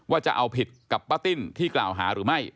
จะเอาผิดกับป้าติ้นที่กล่าวหาหรือไม่